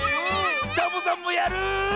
サボさんもやる！